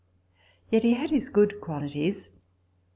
Yet he had his good qualities.